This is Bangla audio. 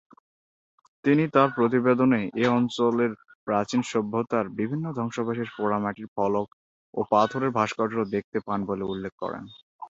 তিনিও তার প্রতিবেদনে এ অঞ্চলে প্রাচীন সভ্যতার বিভিন্ন ধ্বংসাবশেষ, পোড়ামাটির ফলক ও পাথরের ভাস্কর্য দেখতে পান বলে উল্লেখ করেন।